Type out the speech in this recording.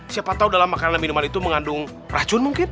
siapa tahu dalam makanan minuman itu mengandung racun mungkin